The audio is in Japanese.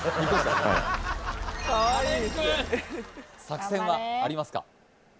作戦はありますか？